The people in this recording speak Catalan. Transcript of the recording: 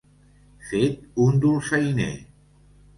Fet un dolçainer.